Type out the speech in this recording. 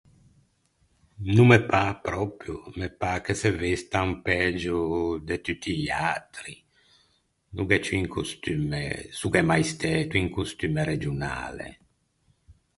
No me pâ pròpio, me pâ che se vestan pægio de tutti i atri. No gh’é ciù un costumme, s’o gh’é mai stæto, un costumme regionale.